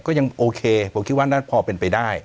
ก็ยังโอเคผมคิดว่านั่นพอเป็นไปได้